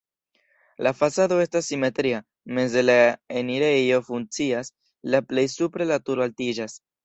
La fasado estas simetria, meze la enirejo funkcias, la plej supre la turo altiĝas.